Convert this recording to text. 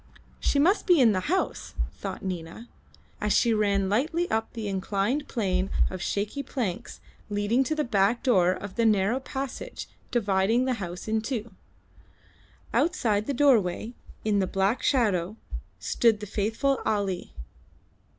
She must be in the house, thought Nina, as she ran lightly up the inclined plane of shaky planks leading to the back door of the narrow passage dividing the house in two. Outside the doorway, in the black shadow, stood the faithful Ali.